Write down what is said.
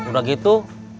aku sudah nggak bisa